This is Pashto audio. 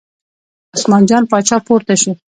عثمان جان پاچا پورته شو.